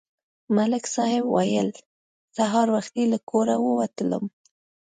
ملک صاحب ویل: سهار وختي له کوره ووتلم.